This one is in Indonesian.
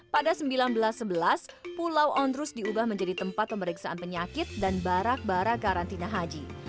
pada seribu sembilan ratus sebelas pulau ondrus diubah menjadi tempat pemeriksaan penyakit dan barak barak karantina haji